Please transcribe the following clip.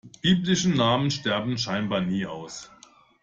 Biblische Namen sterben scheinbar nie aus.